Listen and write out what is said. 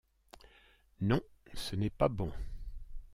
Non, ce n’est pas bon.